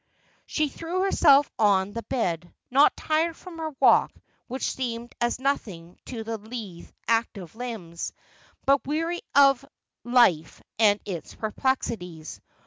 She threw herself on the bed, not tired from her walk, which seemed as nothing to the lithe active limbs, but weary of life and its perplexities.